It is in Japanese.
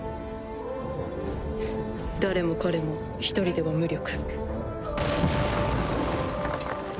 誰も彼も一人では無力。